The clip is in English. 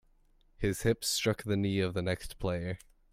His hip struck the knee of the next player.